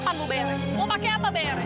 mau pakai apa bayar